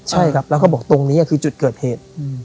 ใช่ครับแล้วก็บอกตรงนี้คือจุดเกิดเหตุ